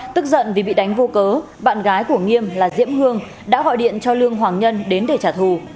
tức giận vì bị đánh vô cớ bạn gái của nghiêm là diễm hương đã gọi điện cho lương hoàng nhân đến để trả thù